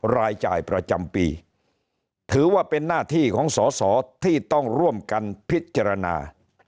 รายจ่ายประจำปีถือว่าเป็นหน้าที่ของสอสอที่ต้องร่วมกันพิจารณา